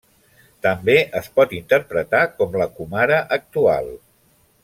També es pot interpretar com la comare actual.